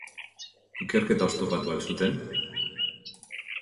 Ikerketa oztopatu al zuten?